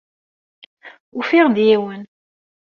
Ufiɣ-d yiwen.